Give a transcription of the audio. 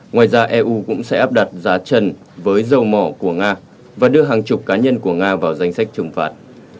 ngoài ra eu cũng sẽ áp đặt giá trần với dầu mỏ của nga và đưa hàng chục cá nhân của nga vào danh sách trừng phạt